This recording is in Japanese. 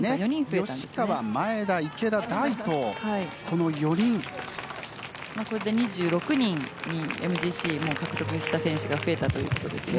吉川、前田、池田、大東これで２６人にＭＧＣ獲得した選手が増えたということですね。